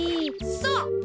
そう！